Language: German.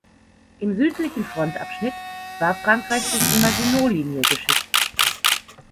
Im südlichen Frontabschnitt war Frankreich durch die Maginot-Linie geschützt.